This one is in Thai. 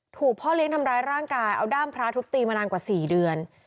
พ่อเลี้ยงทำร้ายร่างกายเอาด้ามพระทุบตีมานานกว่า๔เดือน